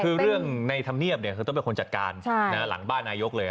คือเรื่องในธรรมเนียบคือต้องเป็นคนจัดการหลังบ้านนายกเลย